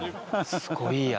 すごいや。